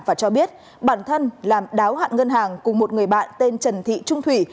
và cho biết bản thân làm đáo hạn ngân hàng cùng một người bạn tên trần thị trung thủy